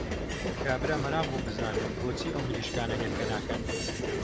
کابرا مەراق بوو بزانێ بۆچی ئەو مریشکانە هێلکە ناکەن!